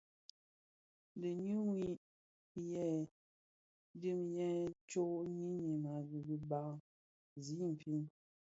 Ndiñiyèn diiyèn tsög yiñim a dhiba zi infin.